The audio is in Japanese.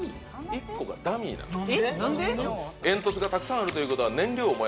１個がダミーなんです。